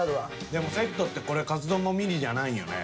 でもセットってこれかつ丼もミニじゃないんよね。